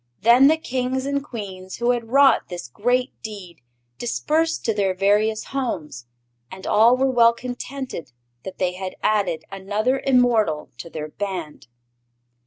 Then the Kings and Queens who had wrought this great deed dispersed to their various homes, and all were well contented that they had added another immortal to their Band.